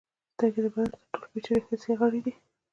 سترګې د بدن تر ټولو پیچلي حسي غړي دي.